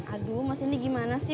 aduh mas ini gimana sih